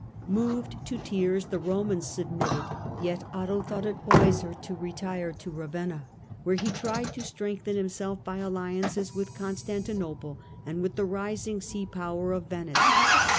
Moved to tears, the Romans submitted, yet Otto thought it wiser to retire to Ravenna, where he tried to strengthen himself by alliances with Constantinople and with the rising sea power of Venice.